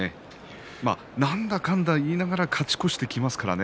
なんだかんだ言いながら勝ち越していきますからね。